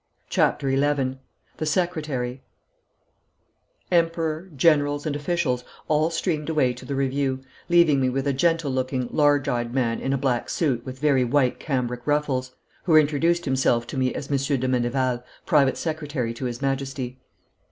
CHAPTER XI THE SECRETARY Emperor, generals, and officials all streamed away to the review, leaving me with a gentle looking, large eyed man in a black suit with very white cambric ruffles, who introduced himself to me as Monsieur de Meneval, private secretary to His Majesty.